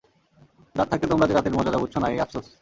দাঁত থাকতে তোমরা যে দাঁতের মর্যাদা বুঝছ না, এই আপসোস।